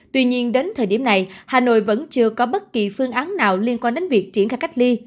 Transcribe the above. tuy nhiên đến thời điểm này hà nội vẫn chưa có bất kỳ phương án nào liên quan đến việc triển khai cách ly